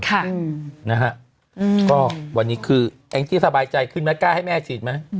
ค่ะนะฮะก็วันนี้คือแองจี้สบายใจขึ้นไหมกล้าให้แม่ฉีดไหม